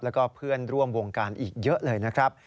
แล้วก็เพื่อนร่วมวงการอีกเยอะเลยนะครับ